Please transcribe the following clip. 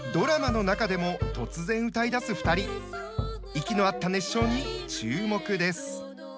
息の合った熱唱に注目です。